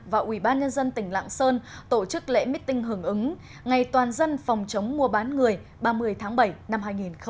và ủy ban nhân dân tỉnh lạng sơn tổ chức lễ meeting hưởng ứng ngày toàn dân phòng chống mua bán người ba mươi tháng bảy năm hai nghìn một mươi chín